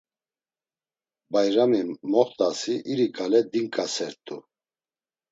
Bayrami moxt̆asi iri ǩale dinǩasert̆u.